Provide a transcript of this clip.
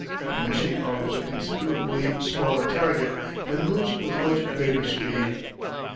The machine offers a considerably smaller target and moves with much greater speed.